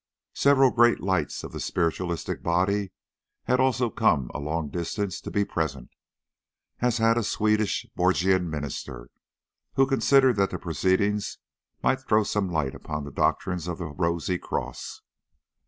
Several great lights of the Spiritualistic body had also come a long distance to be present, as had a Swedenborgian minister, who considered that the proceedings might throw some light upon the doctrines of the Rosy Cross.